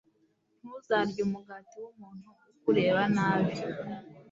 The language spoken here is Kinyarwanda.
ntuzarye umugati w'umuntu ukureba nabi